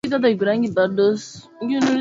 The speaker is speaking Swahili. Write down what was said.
kupoteza maisha na wengine maelfu